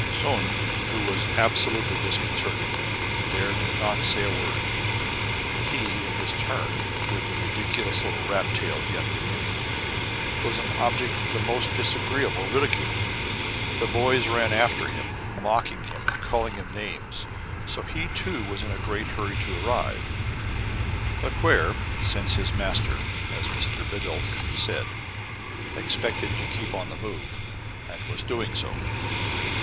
Soun, who was absolutely disconcerted, dared not say a word. He in his turn, with the ridicu lous little rat tail yet remaining, was an object of the most disagreeable ridicule. The boys ran after him, mocking him, and calling him names. So he, too, was in a great hurry to arrive. But where } since his master, as Mr. Bidulph said, ex pected to keep on the move, and was doing so.